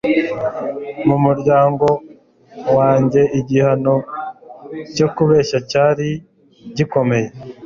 mu muryango wanjye, igihano cyo kubeshya cyari gikomeye